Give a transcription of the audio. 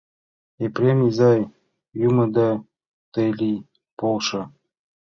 Епрем изай, юмо да тый лий, полшо.